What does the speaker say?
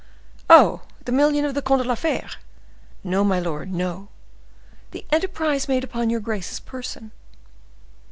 "Oh! the million of the Comte de la Fere?" "No, my lord, no; the enterprise made upon your grace's person."